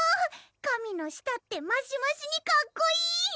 神の舌ってマシマシにかっこいい！